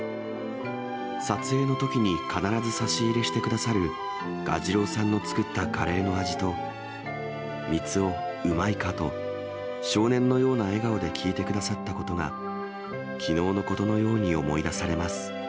撮影のときに必ず差し入れしてくださる蛾次郎さんの作ったカレーの味と、満男、うまいか？と少年のような笑顔で聞いてくださったことが、きのうのことのように思い出されます。